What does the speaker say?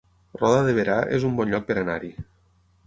Roda de Berà es un bon lloc per anar-hi